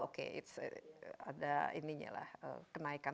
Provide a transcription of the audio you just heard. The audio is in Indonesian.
oke ada ininya lah kenaikan